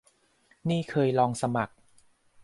นี่เคยลองสมัคร